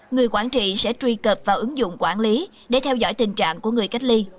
người quản trị sẽ truy cập vào ứng dụng quản lý để theo dõi tình trạng của người cách ly